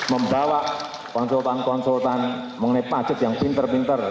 membawa konsultan konsultan mengenai pajak yang pinter pinter